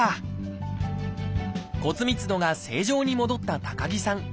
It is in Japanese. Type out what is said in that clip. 骨密度が正常に戻った高木さん。